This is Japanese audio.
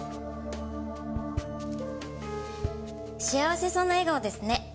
幸せそうな笑顔ですね。